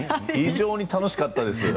非常に楽しかったです。